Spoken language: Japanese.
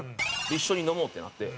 一緒に飲もうってなって。